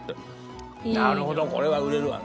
なるほどこれは売れるわな。